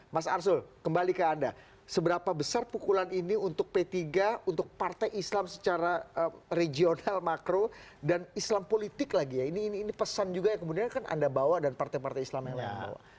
mas arsul kembali ke anda seberapa besar pukulan ini untuk p tiga untuk partai islam secara regional makro dan islam politik lagi ya ini pesan juga yang kemudian kan anda bawa dan partai partai islam yang lain bawa